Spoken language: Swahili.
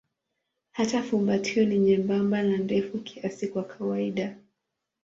Hata fumbatio ni nyembamba na ndefu kiasi kwa kawaida.